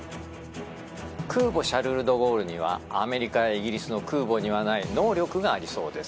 空母「シャルル・ド・ゴール」にはアメリカやイギリスの空母にはない能力がありそうです。